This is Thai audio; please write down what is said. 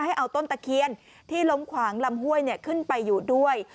ให้เอาต้นตะเคียนที่ล้มขวางลำห้วยขึ้นไปอยู่ด้วย